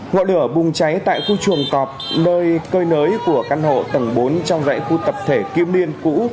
ngọn lửa bùng cháy tại khu chuồng cọp nơi cơi nới của căn hộ tầng bốn trong rễ khu tập thể kim liên cũ